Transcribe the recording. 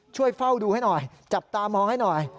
ช่วยเฝ้าดูให้หน่อยจับตามองให้หน่อย